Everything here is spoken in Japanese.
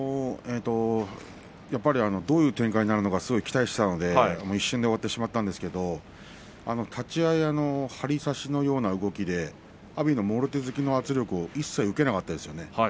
やっぱりどういう展開になるのか、すごく期待していたので一瞬で終わってしまったんですけど立ち合い張り差しのような動きで阿炎のもろ手突きの圧力を一切受けなかったですよね。